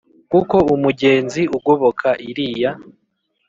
Kuko umugenzi ugoboka iriya